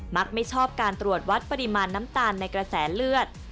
ไม่ชอบการตรวจวัดปริมาณน้ำตาลในกระแสเลือด